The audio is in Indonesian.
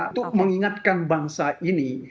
untuk mengingatkan bangsa ini